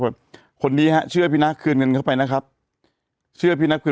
คนนี้ฮะเชื่อพี่นะคืนเงินเข้าไปนะครับเชื่อพี่นะคือ